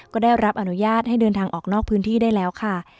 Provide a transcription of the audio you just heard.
ก็ได้รับอนุญาตให้เดินทางออกนอกพื้นที่ได้แล้วค่ะ